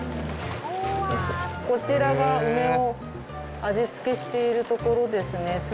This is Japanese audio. こちらが梅を味付けしているところですね。